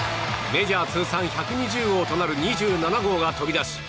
メジャー通算１２０号となる２７号が飛び出し